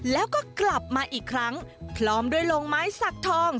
แล้วก็กลับมาอีกครั้งพร้อมด้วยลงไม้สักทอง